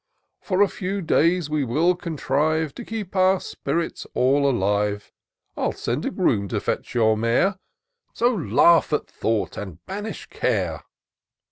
For a few days we will contrive To keep our spirits all alive : 111 send a groom to fetch your mare, So laugh at thought and banish care."